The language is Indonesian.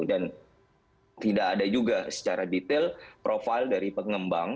dan tidak ada juga secara detail profil dari pengembang